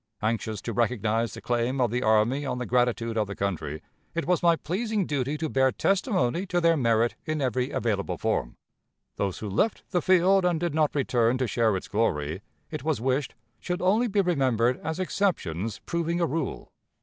Anxious to recognize the claim of the army on the gratitude of the country, it was my pleasing duty to bear testimony to their merit in every available form. Those who left the field and did not return to share its glory, it was wished, should only be remembered as exceptions proving a rule.